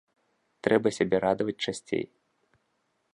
Трэба сябе радаваць часцей.